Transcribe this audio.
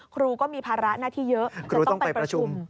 ครูก็มีภาระหน้าที่เยอะจะต้องไปประชุมครูต้องไปประชุม